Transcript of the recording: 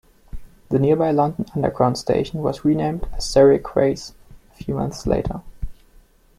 The nearby London Underground station was renamed as Surrey Quays a few months later.